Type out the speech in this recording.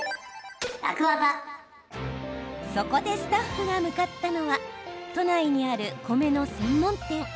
そこで、スタッフが向かったのは都内にある米の専門店。